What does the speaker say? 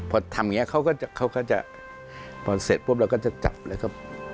พอทำอย่างนี้เขาก็จะพอเสร็จปุ๊บเราก็จะจับแล้วก็